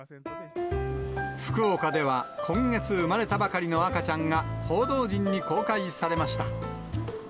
福岡では、今月産まれたばかりの赤ちゃんが、報道陣に公開されました。